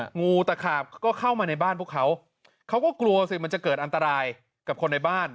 งูตะขาบก็เข้ามาในบ้านพวกเขาเขาก็กลัวสิมันจะเกิดอันตรายกับคนในบ้าน